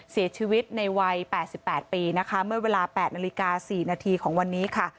เสียชีวิตในวัย๘๘ปีนะคะเมื่อเวลา๘นาฬิกา๔นาทีของวันนี้ค่ะ